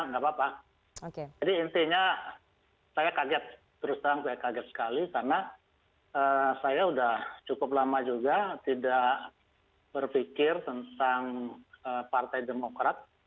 jadi intinya saya kaget terus saya kaget sekali karena saya sudah cukup lama juga tidak berpikir tentang partai demokrat